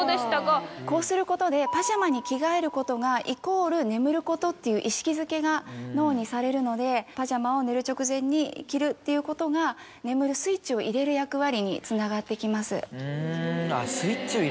こうすることでパジャマに着替えることがイコール眠ることっていう意識づけが脳にされるのでパジャマを寝る直前に着るっていうことが眠るスイッチを入れる役割につながってきます。